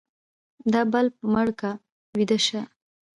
دا بلپ مړ که ويده شه.